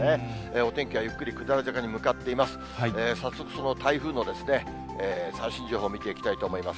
お天気はゆっくり下り坂に向かっています。